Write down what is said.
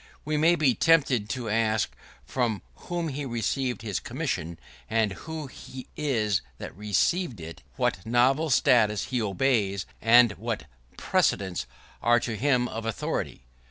We may be tempted to ask from whom he received his commission, and who he is that received it; what novel statutes he obeys, and what precedents are to him of authority.